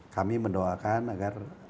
kami mendoakan agar